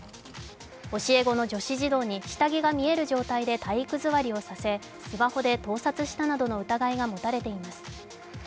教え子の女子児童に下着が見える状態で体育座りをさせ、スマホで盗撮したなどの疑いが持たれています